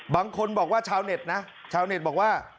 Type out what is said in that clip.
บางคนบอกว่าชาวเน็ตนะชาวเน็ตบอกว่า